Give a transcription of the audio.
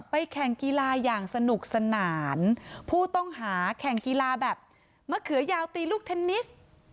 แข่งกีฬาอย่างสนุกสนานผู้ต้องหาแข่งกีฬาแบบมะเขือยาวตีลูกเทนนิส